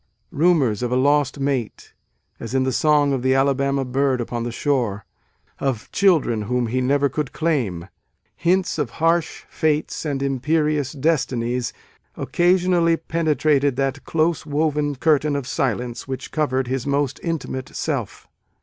Rumours of a lost mate, as in the song of the Alabama bird upon the shore, of children whom he never could claim, hints of harsh fates and imperious destinies, occasionally penetrated that close woven curtain of silence which covered his most intimate self.